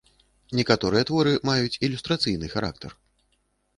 Некаторыя творы маюць ілюстрацыйны характар.